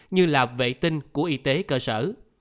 như là vệ tinh của y tế cơ sở